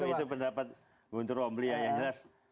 itu pendapat guntur robli ya yang jelas